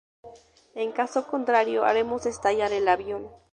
En caso contrario, haremos estallar el avión.